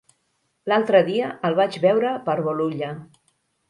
L'altre dia el vaig veure per Bolulla.